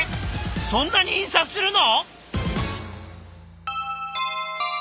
そんなに印刷するの！？